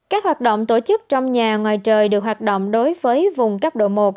các hoạt động tổ chức trong nhà ngoài trời được hoạt động đối với vùng cấp độ một